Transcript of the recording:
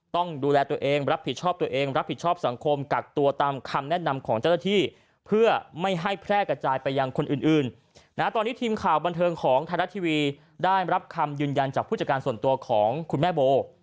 ตอนนี้ทีมข่าวบันเทิงของไทยรัฐทีวีได้รับคำยืนยันจากผู้จัดการส่วนตัวของคุณแม่โบ